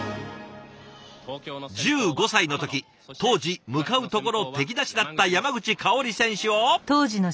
１５歳の時当時向かうところ敵なしだった山口香選手を。